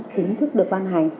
chính thức được ban hành